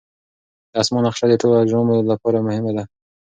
د اسمان نقشه د ټولو اجرامو لپاره مهمه ده.